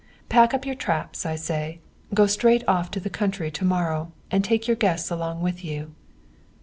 Pack up your traps, I say, go straight off to the country to morrow, and take your guests along with you."